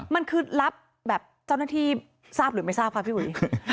มันคือรับแบบเจ้าหน้าที่ทราบหรือไม่ทราบค่ะพี่อุ๋ย